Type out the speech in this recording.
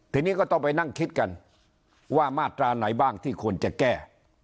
ทีนี้ก็ต้องไปนั่งคิดกันว่ามาตราไหนบ้างที่ควรจะแก้